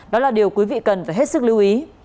đó là điều quý vị cần phải hết sức lưu ý